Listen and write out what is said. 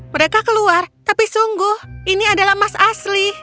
mereka keluar tapi sungguh ini adalah emas asli